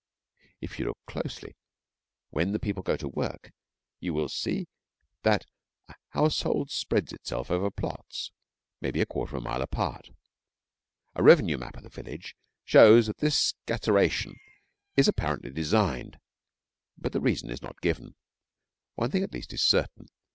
If you look closely when the people go to work you will see that a household spreads itself over plots, maybe, a quarter of a mile apart. A revenue map of a village shows that this scatteration is apparently designed, but the reason is not given. One thing at least is certain.